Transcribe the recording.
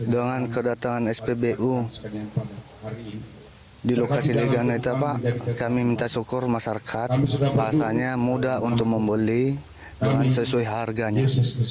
dengan kedatangan spbu di lokasi leganetapak kami minta syukur masyarakat pasarnya mudah untuk membeli dengan sesuai harganya